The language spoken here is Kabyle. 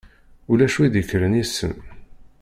Ulac wi d-ikkren issen.